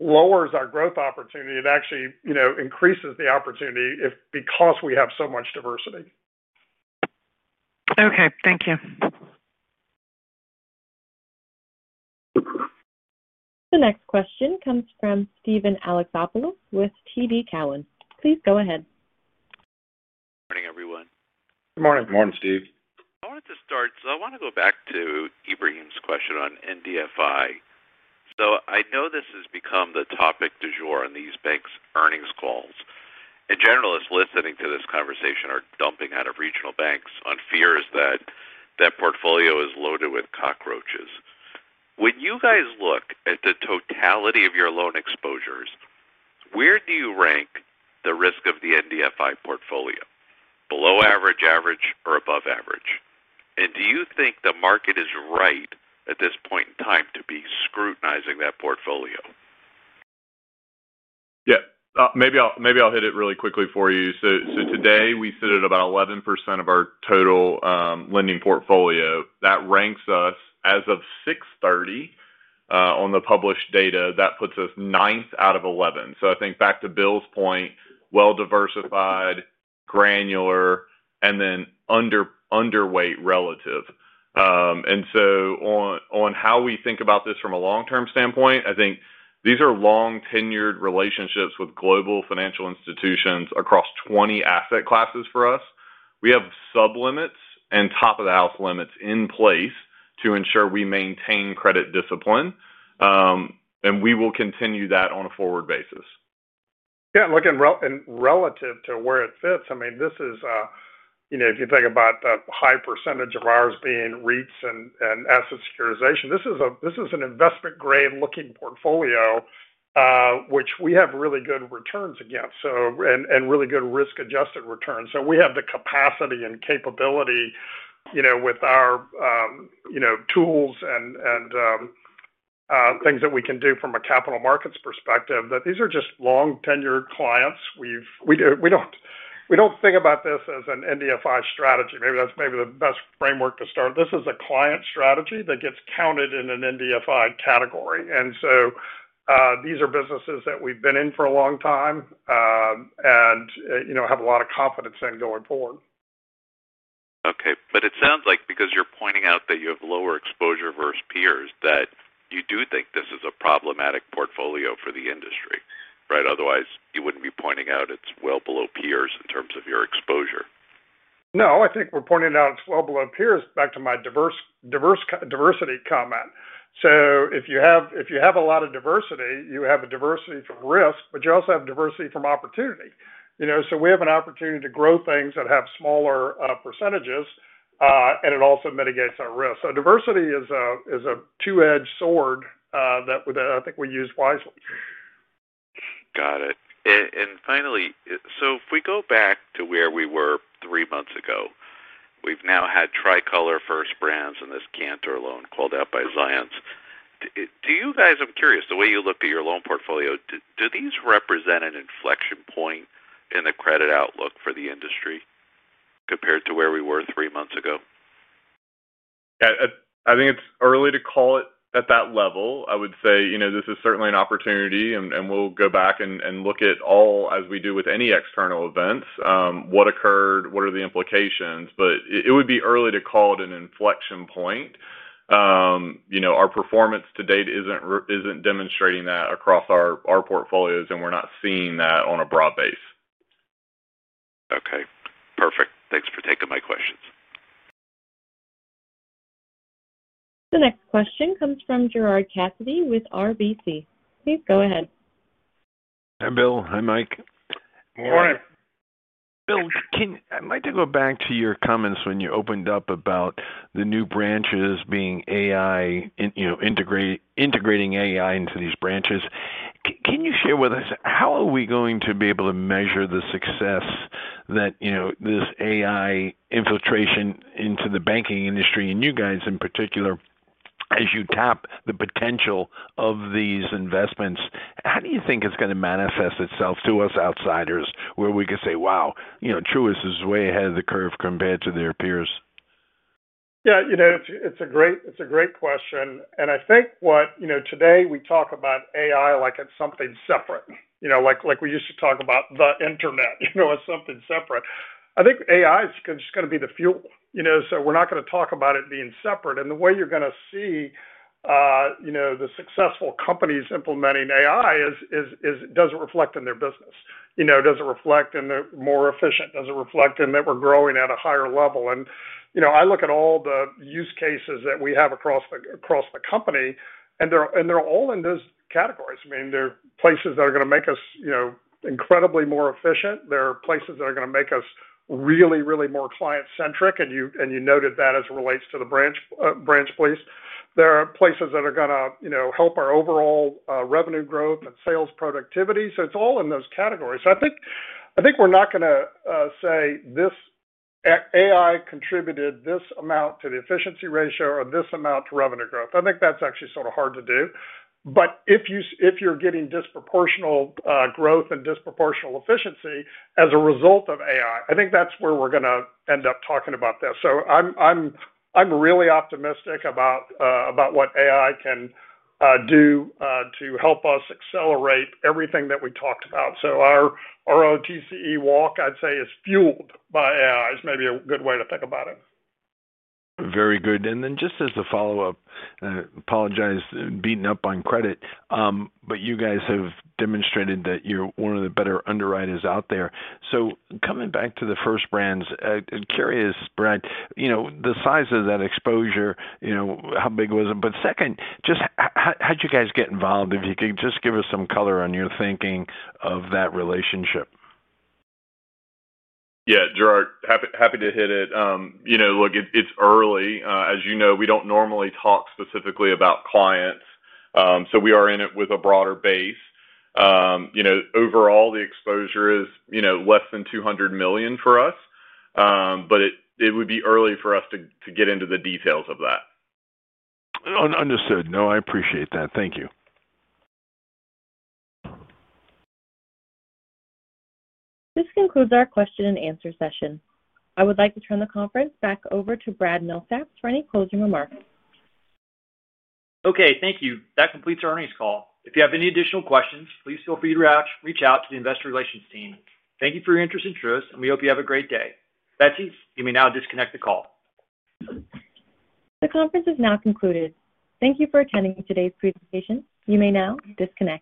lowers our growth opportunity and actually increases the opportunity because we have so much diversity. Okay, thank you. The next question comes from Steven Alexopoulos with TD Cowen. Please go ahead. Morning, everyone. Good morning. Morning, Steve. I wanted to start, I want to go back to Ibrahim's question on NDFI. I know this has become the topic du jour on these banks' earnings calls. Generalists listening to this conversation are dumping out of regional banks on fears that their portfolio is loaded with cockroaches. When you guys look at the totality of your loan exposures, where do you rank the risk of the NDFI portfolio? Below average, average, or above average? Do you think the market is right at this point in time to be scrutinizing that portfolio? Yeah. Maybe I'll hit it really quickly for you. Today we sit at about 11% of our total lending portfolio. That ranks us as of 6/30. On the published data, that puts us ninth out of 11. I think back to Bill's point, well-diversified, granular, and then underweight relative. On how we think about this from a long-term standpoint, I think these are long-tenured relationships with global financial institutions across 20 asset classes for us. We have sub-limits and top-of-the-house limits in place to ensure we maintain credit discipline. We will continue that on a forward basis. Yeah, and relative to where it fits, I mean, this is, you know, if you think about the high percentage of ours being REITs and asset securitization, this is an investment-grade looking portfolio, which we have really good returns against and really good risk-adjusted returns. We have the capacity and capability, you know, with our tools and things that we can do from a capital markets perspective that these are just long-tenured clients. We don't think about this as an NDFI strategy. Maybe that's the best framework to start. This is a client strategy that gets counted in an NDFI category. These are businesses that we've been in for a long time and, you know, have a lot of confidence in going forward. Okay, it sounds like because you're pointing out that you have lower exposure versus peers, you do think this is a problematic portfolio for the industry, right? Otherwise, you wouldn't be pointing out it's well below peers in terms of your exposure. No, I think we're pointing out it's well below peers, back to my diversity comment. If you have a lot of diversity, you have diversity from risk, but you also have diversity from opportunity. We have an opportunity to grow things that have smaller percentages, and it also mitigates our risk. Diversity is a two-edged sword that I think we use wisely. Got it. Finally, if we go back to where we were three months ago, we've now had Tricolor, First Brands, and this Cantor loan called out by Zions. I'm curious, the way you look at your loan portfolio, do these represent an inflection point in the credit outlook for the industry compared to where we were three months ago? I think it's early to call it at that level. I would say this is certainly an opportunity. We'll go back and look at all, as we do with any external events, what occurred, what are the implications. It would be early to call it an inflection point. Our performance to date isn't demonstrating that across our portfolios, and we're not seeing that on a broad base. Okay, perfect. Thanks for taking my questions. The next question comes from Gerard Cassidy with RBC. Please go ahead. Hi, Bill. Hi, Mike. Morning. Bill, I'd like to go back to your comments when you opened up about the new branches being AI, you know, integrating AI into these branches. Can you share with us how we are going to be able to measure the success that, you know, this AI infiltration into the banking industry and you guys in particular as you tap the potential of these investments? How do you think it's going to manifest itself to us outsiders where we could say, wow, Truist is way ahead of the curve compared to their peers? Yeah, you know, it's a great question. I think today we talk about AI like it's something separate, like we used to talk about the internet as something separate. I think AI is just going to be the fuel. We're not going to talk about it being separate. The way you're going to see the successful companies implementing AI is, does it reflect in their business? Does it reflect in the more efficient? Does it reflect in that we're growing at a higher level? I look at all the use cases that we have across the company, and they're all in those categories. There are places that are going to make us incredibly more efficient. There are places that are going to make us really, really more client-centric. You noted that as it relates to the branch police. There are places that are going to help our overall revenue growth and sales productivity. It's all in those categories. I think we're not going to say this AI contributed this amount to the efficiency ratio or this amount to revenue growth. I think that's actually sort of hard to do. If you're getting disproportional growth and disproportional efficiency as a result of AI, I think that's where we're going to end up talking about this. I'm really optimistic about what AI can do to help us accelerate everything that we talked about. Our ROTCE walk, I'd say, is fueled by AI. It's maybe a good way to think about it. Very good. Just as a follow-up, I apologize for beating up on credit, but you guys have demonstrated that you're one of the better underwriters out there. Coming back to the First Brands, I'm curious, Brad, you know, the size of that exposure, you know, how big was it? Second, just how'd you guys get involved? If you could just give us some color on your thinking of that relationship. Yeah, Gerard, happy to hit it. Look, it's early. As you know, we don't normally talk specifically about clients. We are in it with a broader base. Overall, the exposure is less than $200 million for us. It would be early for us to get into the details of that. Understood. No, I appreciate that. Thank you. This concludes our question and answer session. I would like to turn the conference back over to Brad Milsaps for any closing remarks. Okay, thank you. That completes our earnings call. If you have any additional questions, please feel free to reach out to the investor relations team. Thank you for your interest in Truist, and we hope you have a great day. Betsy, you may now disconnect the call. The conference is now concluded. Thank you for attending today's presentation. You may now disconnect.